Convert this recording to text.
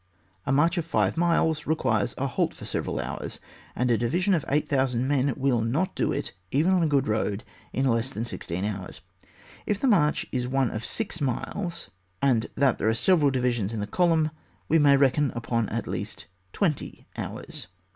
A march of five miles requires a halt for several hours ; and a division of 8,000 men will not do*it, even on a good road, in less than sixteen hours. If the march is one of six miles, and that there are several divisions in the column, we may reckon upon at least twenty hours.